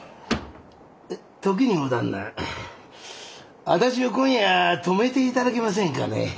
時に大旦那私を今夜泊めて頂けませんかねえ？